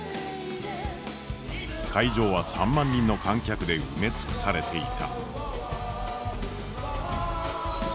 会場は３万人の観客で埋め尽くされていた。